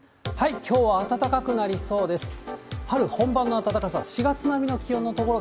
きょうは暖かくなりそうです。